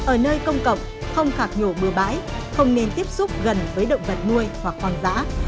ở nơi công cộng không khạc nhổ bừa bãi không nên tiếp xúc gần với động vật nuôi hoặc hoang dã